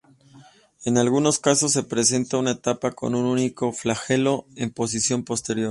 En algunos casos se presenta una etapa con un único flagelo en posición posterior.